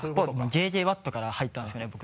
Ｊ．Ｊ・ワットから入ったんですよね僕。